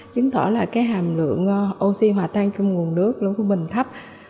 chứng tỏ là cái hàm lượng oxy hòa tan trong nguồn nước lúa của mình thấp